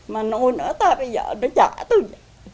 mà nuôi nó ta bây giờ nó trả tôi